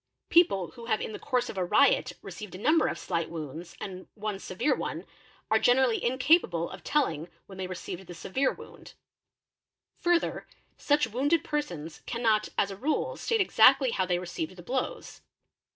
People who have in the course of a riot received a number of slight wounds and one severe one, are generally incapable of telling when they received the severe wound. Further such wounded persons cannot as a rule state exactly how they : received the blows.